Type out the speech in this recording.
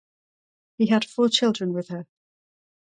He had four children with her.